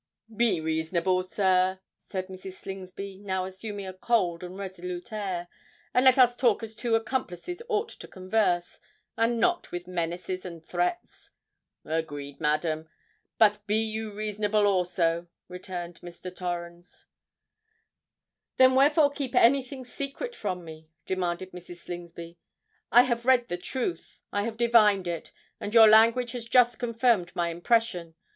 "Be reasonable, sir," said Mrs. Slingsby, now assuming a cold and resolute air; "and let us talk as two accomplices ought to converse—and not with menaces and threats." "Agreed, madam—but be you reasonable also," returned Mr. Torrens. "Then wherefore keep anything secret from me?" demanded Mrs. Slingsby. "I have read the truth—I have divined it—and your language has just confirmed my impression.